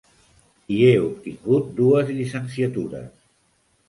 Hi he obtingut dues llicenciatures.